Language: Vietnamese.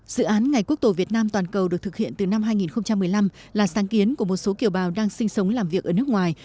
dự án ngày quốc tổ việt nam toàn cầu được thực hiện từ năm hai nghìn một mươi năm là sáng kiến của một số kiều bào đang sinh sống làm việc ở nước ngoài